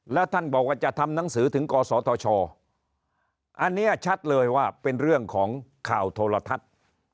แล้วท่านบอกว่าจะทำหนังสือถึงกศธชอันนี้ชัดเลยว่าเป็นเรื่องของข่าวโทรทัศน์